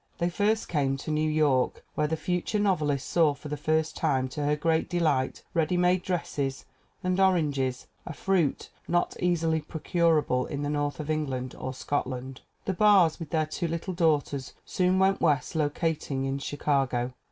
They first came to New York, where the future novelist saw for the first time to her great de light ready made dresses and oranges, a fruit not easily procurable in the north of England or Scotland. The Barrs with their two little daughters soon went West, locating in Chicago.